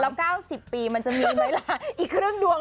แล้ว๙๐ปีมันจะมีเวลาอีกครึ่งดวง